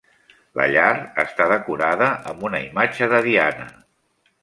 La llar està decorada amb una imatge de Diana.